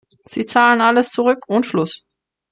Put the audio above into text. Sie zahlten alles zurück, und Schluss.